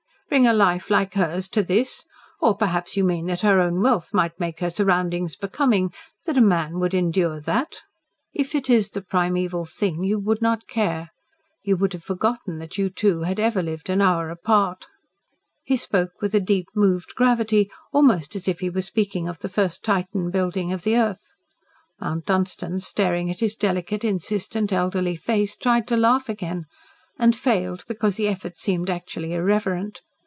Bring a life like hers to this! Or perhaps you mean that her own wealth might make her surroundings becoming that a man would endure that?" "If it is the primeval thing, YOU would not care. You would have forgotten that you two had ever lived an hour apart." He spoke with a deep, moved gravity almost as if he were speaking of the first Titan building of the earth. Mount Dunstan staring at his delicate, insistent, elderly face, tried to laugh again and failed because the effort seemed actually irreverent.